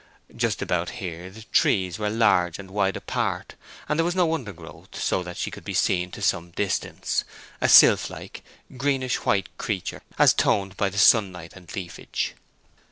Just about here the trees were large and wide apart, and there was no undergrowth, so that she could be seen to some distance; a sylph like, greenish white creature, as toned by the sunlight and leafage.